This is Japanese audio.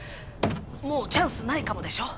もうチャンスないかもでしょ？